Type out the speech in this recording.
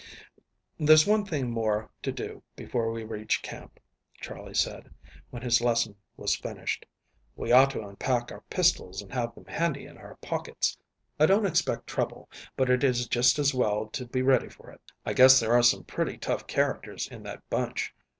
"There's one thing more to do before we reach camp," Charley said, when his lesson was finished. "We ought to unpack our pistols and have them handy in our pockets. I don't expect trouble, but it is just as well to be ready for it. I guess there are some pretty tough characters in that bunch.